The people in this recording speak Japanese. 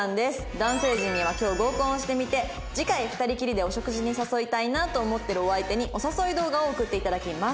男性陣には今日合コンをしてみて次回２人きりでお食事に誘いたいなと思ってるお相手にお誘い動画を送って頂きます。